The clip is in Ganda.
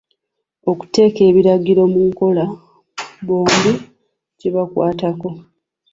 Okuteeka ebiragiro mu nkola bombi kibakwatako.